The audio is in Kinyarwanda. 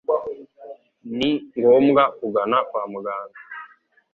ni ngombwa kugana kwa muganga.